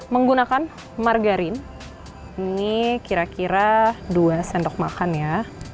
menggunakan margarin ini kira kira dua sendok makan ya